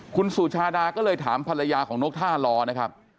คุณสุชาดาก็เลยถามภรรยาของนกท่าล้อนะครับ